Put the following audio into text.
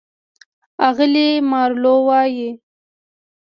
اغلې مارلو وايي: